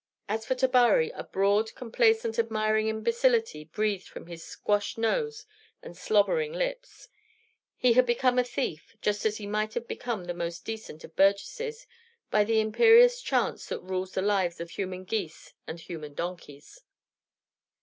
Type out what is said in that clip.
As for Tabary, a broad, complacent, admiring imbecility breathed from his squash nose and slobbering lips: he had become a thief, just as he might have become the most decent of burgesses, by the imperious chance that rules the lives of human geese and human donkeys.